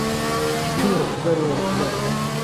ئهتوی ڕوحبهر و ڕوحدەر